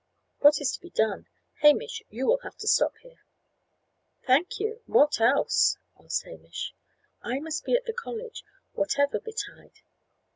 "What is to be done? Hamish, you will have to stop here." "Thank you! what else?" asked Hamish. "I must be at the college, whatever betide."